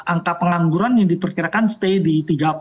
angka pengangguran yang diperkirakan stay di tiga puluh